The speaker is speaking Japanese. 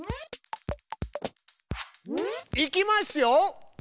いきますよ。